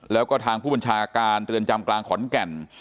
แล้วก็ทางผู้บัญชาการเรือนจำกลางขอนแก่น